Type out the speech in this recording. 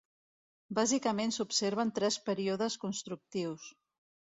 Bàsicament s'observen tres períodes constructius.